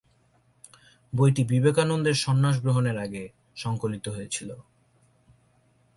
বইটি বিবেকানন্দের সন্ন্যাস গ্রহণের আগে সংকলিত হয়েছিল।